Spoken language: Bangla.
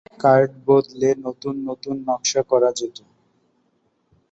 কার্ড বদলে নতুন নতুন নকশা করা যেত।